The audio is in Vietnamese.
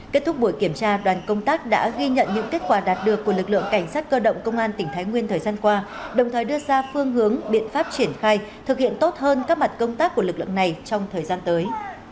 kết thúc buổi kiểm tra đoàn công tác đã ghi nhận những kết quả đạt được của lực lượng cảnh sát cơ động công an tỉnh thái nguyên thời gian qua đồng thời đưa ra phương hướng biện pháp triển khai thực hiện tốt hơn các mặt công tác của lực lượng này trong thời gian tới